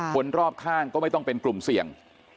คนรอบข้างก็ไม่ต้องเป็นกลุ่มเสี่ยง